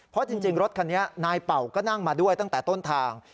เพราะจริงรถคันนี้นายเป่าก็นั่งมาด้วยตั้งแต่ต้นทาง